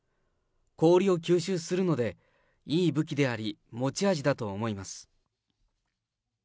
氷を吸収するので、いい武器であり、持ち味だと思います。